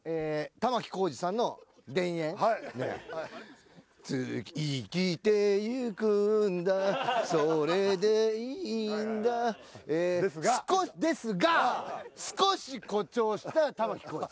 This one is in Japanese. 玉置浩二さんの「田園」はい生きていくんだそれでいいんだええですがですが少し誇張した玉置浩二